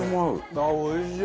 ああおいしい！